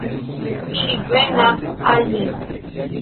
Ili venas al ni.